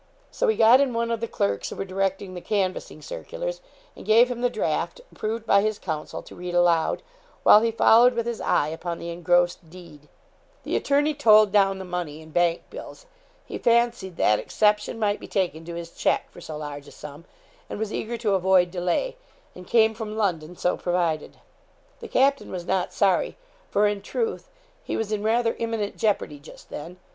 So he got in one of the clerks who were directing the canvassing circulars, and gave him the draft, approved by his counsel, to read aloud, while he followed with his eye upon the engrossed deed. The attorney told down the money in bank bills. He fancied that exception might be taken to his cheque for so large a sum, and was eager to avoid delay, and came from London so provided. The captain was not sorry, for in truth he was in rather imminent jeopardy just then.